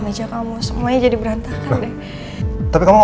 yaudah kalau gitu learn to layan hati hati kamu ya